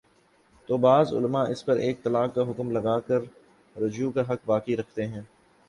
تو بعض علما اس پر ایک طلاق کا حکم لگا کر رجوع کا حق باقی رکھتے ہیں